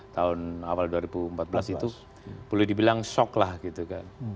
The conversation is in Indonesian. tahun awal dua ribu empat belas itu boleh dibilang shock lah gitu kan